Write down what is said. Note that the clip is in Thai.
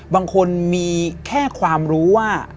บางคนมีแค่ความรู้ว่า